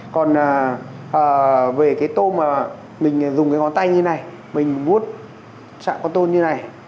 còn về cái tôm mà mình dùng cái ngón tay như thế này mình vuốt chạm con tôm như thế này